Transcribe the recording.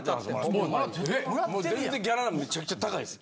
もう全然ギャラはめちゃくちゃ高いです。